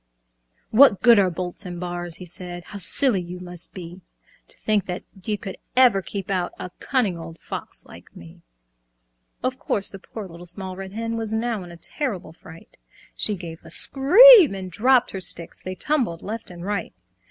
"What good are bolts and bars?" he said, "How silly you must be To think that they could ever keep out A cunning old Fox like me!" Of course the poor Little Small Red Hen Was now in a terrible fright. She gave a scream and dropped her sticks, They tumbled left and right.